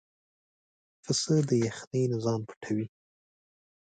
پسه د یخنۍ نه ځان پټوي.